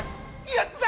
やった！